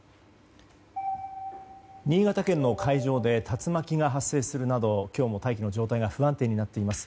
新潟県の海上で竜巻が発生するなど今日も大気の状態が不安定になっています。